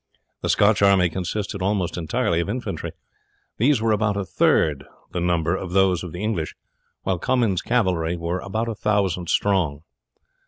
The Scotch army consisted almost entirely of infantry. These were about a third the number of those of the English, while Comyn's cavalry were a thousand strong.